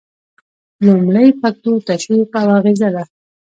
لومړی فکتور تشویق او اغیزه ده.